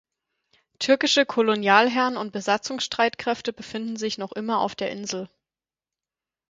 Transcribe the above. Türkische Kolonialherren und Besatzungsstreitkräfte befinden sich noch immer auf der Insel.